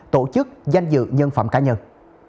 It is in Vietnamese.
tổ chức danh dự nhân phẩm cá nhân